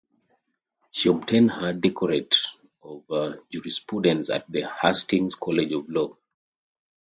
She obtained her doctorate of jurisprudence at the Hastings College of Law.